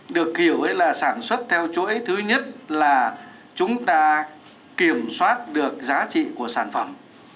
được kiểu là sản xuất theo chuỗi thứ nhất là chúng ta kiểm soát được giá trị của sản phẩm